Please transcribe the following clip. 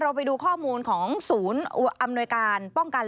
ไปดูข้อมูลของศูนย์อำนวยการป้องกัน